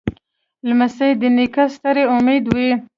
لمسی د نیکه ستر امید وي.